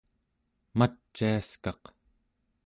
maciaskaq